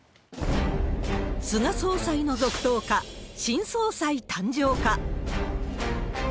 菅総裁の続投か、新総裁誕生か。